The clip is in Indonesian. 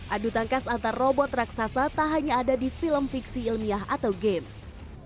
adu tangkas antar robot raksasa tak hanya ada di film fiksi ilmiah atau games